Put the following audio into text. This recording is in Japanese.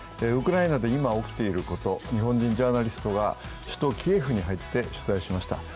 ウクライナで今起きていること、日本人ジャーナリストが首都キエフに入って取材しました。